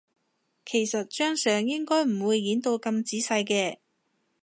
其實張相應該唔會影到咁仔細嘅